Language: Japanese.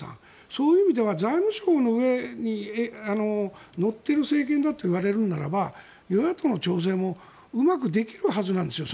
そういう意味では財務省の上に乗っている政権だといわれるならば与野党の調整もうまくできるはずなんですよ。